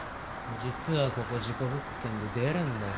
実はここ事故物件で出るんだぞ。